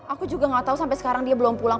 aku juga gak tau sampe sekarang dia belum pulang